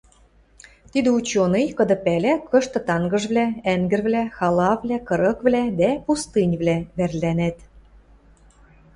— Тидӹ учёный, кыды пӓлӓ, кышты тангыжвлӓ, ӓнгӹрвлӓ, халавлӓ, кырыквлӓ дӓ пустыньывлӓ вӓрлӓнӓт.